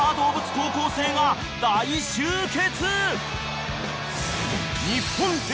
高校生が大集結］